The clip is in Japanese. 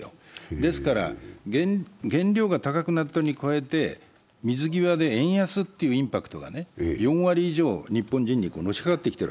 ですから原料が高くなったのに加えて、水際で円安というインパクトが４割以上、日本人にのしかかってきている。